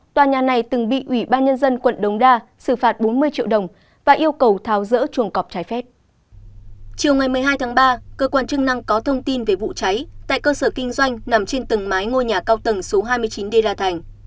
trường ngày một mươi hai tháng ba cơ quan chức năng có thông tin về vụ cháy tại cơ sở kinh doanh nằm trên tầng mái ngôi nhà cao tầng số hai mươi chín d la thành